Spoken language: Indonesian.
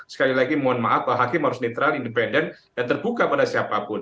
sekali lagi mohon maaf bahwa hakim harus netral independen dan terbuka pada siapapun